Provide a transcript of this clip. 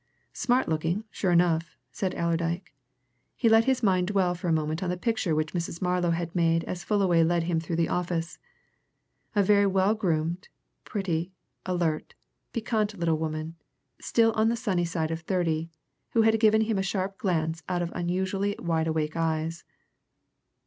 "Smart looking, sure enough," said Allerdyke. He let his mind dwell for a moment on the picture which Mrs. Marlow had made as Fullaway led him through the office a very well gowned, pretty, alert, piquant little woman, still on the sunny side of thirty, who had given him a sharp glance out of unusually wide awake eyes.